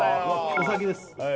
お先です